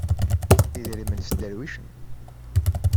Idrimen sderwicen.